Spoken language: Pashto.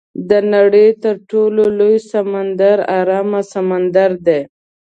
د نړۍ تر ټولو لوی سمندر ارام سمندر دی.